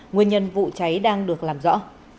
nguyên nhân vụ cháy đang được làm rõ